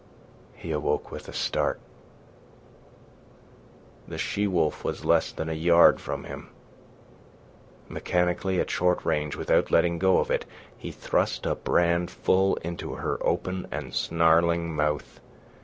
He awoke with a start. The she wolf was less than a yard from him. Mechanically, at short range, without letting go of it, he thrust a brand full into her open and snarling mouth.